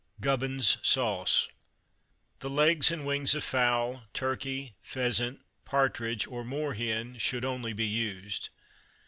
Gubbins Sauce The legs and wings of fowl, turkey, pheasant, partridge, or moor hen should only be used.